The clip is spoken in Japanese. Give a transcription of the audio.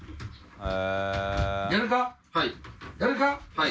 はい。